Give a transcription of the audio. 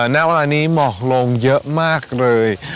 ณเวลานี้หมอกลงเยอะมากเลย